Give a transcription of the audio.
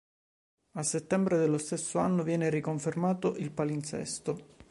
A settembre dello stesso anno viene riconfermato il palinsesto.